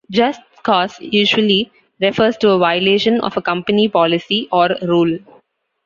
Just cause usually refers to a violation of a company policy or rule.